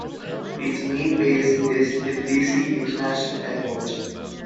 Its main base is Tbilisi International Airport.